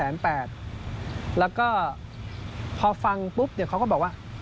แล้วก็พอฟังปุ๊บเดี๋ยวเขาก็บอกว่า